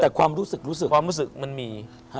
แต่ความรู้สึกรู้สึกความรู้สึกมันมี